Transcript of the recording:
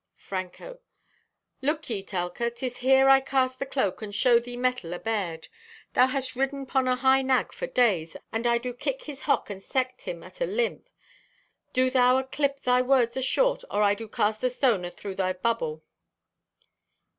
(Franco) "Look ye, Telka, 'tis here I cast the cloak and show thee metal abared. Thou hast ridden 'pon a high nag for days, and I do kick his hock and set him at a limp. Do thou to clip thy words ashort or I do cast a stone athro' thy bubble."